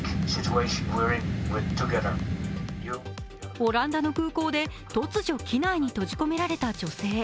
オランダの空港で突如、機内に閉じ込められた女性。